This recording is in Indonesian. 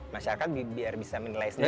masyarakat biar bisa menilai sendiri